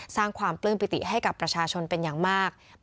สร้างความปลื้มปิติให้กับประชาชนเป็นอย่างมาก